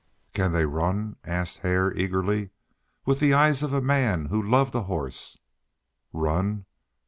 "Can they run?" asked Hare eagerly, with the eyes of a man who loved a horse. "Run?